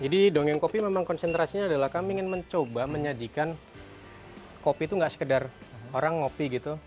jadi dongeng kopi memang konsentrasinya adalah kami ingin mencoba menyajikan kopi itu tidak sekedar orang ngopi gitu